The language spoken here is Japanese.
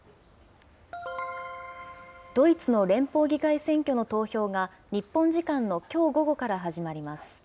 ドイツの連邦議会選挙の投票が、日本時間のきょう午後から始まります。